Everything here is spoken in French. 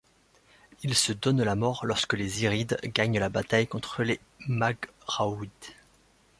Il se donne la mort lorsque les Zirides gagnent la bataille contre les Maghraouides.